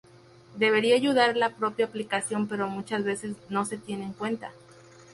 Debería ayudar la propia aplicación pero muchas veces no se tiene en cuenta.